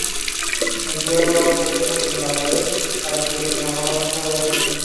El criado hace un agujero en la pared, para que los enamorados puedan verse.